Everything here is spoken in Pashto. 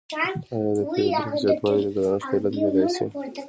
آیا د پیرودونکو زیاتوالی د ګرانښت علت کیدای شي؟